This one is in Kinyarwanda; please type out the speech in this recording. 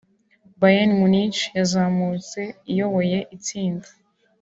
Bayern Munich yazamutse iyoboye itsinda